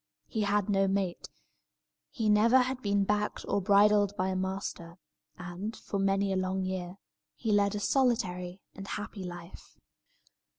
He had no mate; he never had been backed or bridled by a master; and, for many a long year, he led a solitary and a happy life.